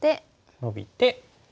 ノビて。